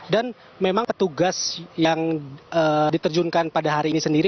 dan memang petugas yang diterjunkan pada hari ini sendiri